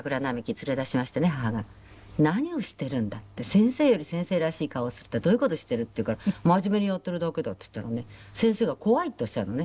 「先生より先生らしい顔するとはどういう事してる」って言うから「真面目にやってるだけだ」って言ったらね先生が「怖い」とおっしゃるのね。